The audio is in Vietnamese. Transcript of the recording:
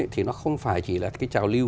thì nó không phải chỉ là cái trào lưu